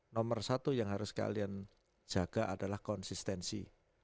nomor satu yang harus kalian jaga adalah konsistensi